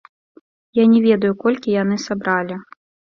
Я не ведаю, колькі яны сабралі.